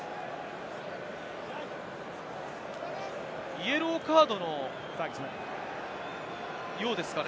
イエローカードのようですかね？